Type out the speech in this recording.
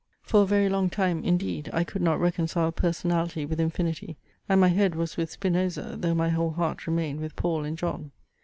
For a very long time, indeed, I could not reconcile personality with infinity; and my head was with Spinoza, though my whole heart remained with Paul and John.